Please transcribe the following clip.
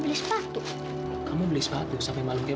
kenapa kau tak peduli sampai kasih tuhan sendiri